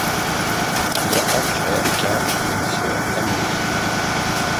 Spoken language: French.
Il a un frère, Carl, et une sœur, Amalie.